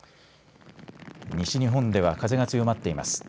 西日本では風が強まっています。